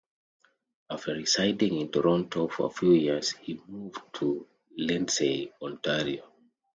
After residing in Toronto for a few years he moved to Lindsay, Ontario.